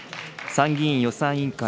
参議院予算委員会